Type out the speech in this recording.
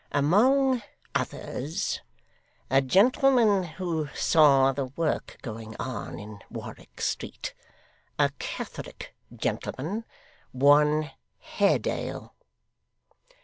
'Among others, a gentleman who saw the work going on in Warwick Street; a Catholic gentleman; one Haredale.